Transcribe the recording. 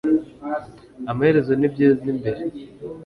amaherezo ni byiza imbere